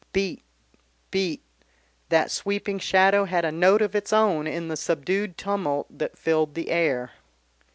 "Beat, beat," that sweeping shadow had a note of its own in the subdued tumult that filled the air.